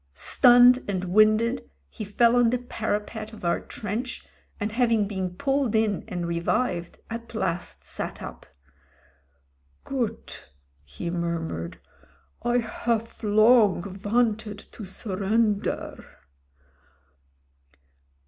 Sttmned and winded he fell on the parapet of our trench, and hav ing been pulled in and revived, at last sat up. "Goot, he murmured ; "I hof long vanted to surrender.